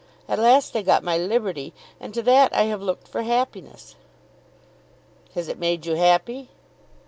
At last I got my liberty, and to that I have looked for happiness." "Has it made you happy?"